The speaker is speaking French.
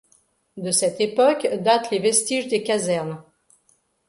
De cette époque datent les vestiges des casernes.